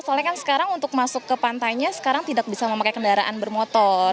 soalnya kan sekarang untuk masuk ke pantainya sekarang tidak bisa memakai kendaraan bermotor